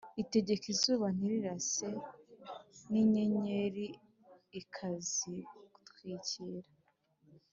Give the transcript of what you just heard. itegeka izuba ntirirase, n’inyenyeri ikazitwikira